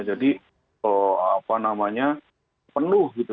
apa namanya penuh gitu